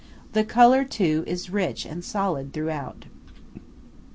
The colour, too, is rich and solid throughout.